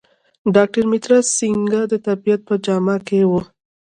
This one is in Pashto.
ډاکټر مترا سینګه د طبیب په جامه کې و.